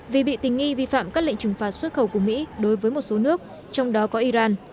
vì bị tình nghi vi phạm các lệnh trừng phạt xuất khẩu của mỹ đối với một số nước trong đó có iran